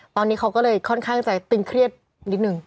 ตอนนี้เขาก็เลยค่อนข้างจะตึงเครียดนิดนึง